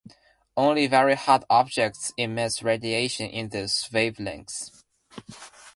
Only very hot objects emit radiation in these wavelengths.